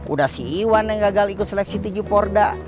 udah si iwan yang gagal ikut seleksi tinju porda